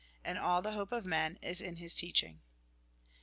And all the hope of men is in his teaching."